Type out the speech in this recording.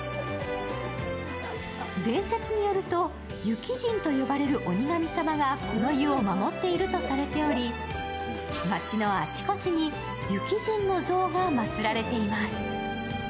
伝説によると、湯鬼神と呼ばれる鬼神様がこの湯を守っているとされており、街のあちこちに湯鬼神の象が祭られています。